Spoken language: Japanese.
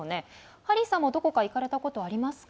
ハリーさんもどこか行かれたことはありますか？